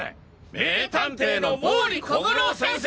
名探偵の毛利小五郎先生。